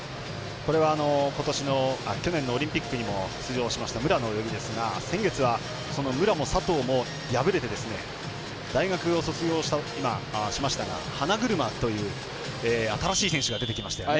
これは、去年のオリンピックにも出場した武良の泳ぎですが先月は武良も佐藤も敗れて大学を卒業しましたが花車という新しい選手が出てきましたよね。